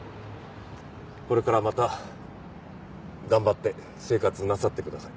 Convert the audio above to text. これからまた頑張って生活なさってください。